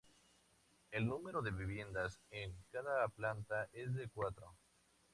El número de viviendas en cada planta es de cuatro.